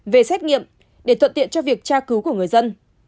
về xét nghiệm để thuận tiện cho việc tra cứu của người dân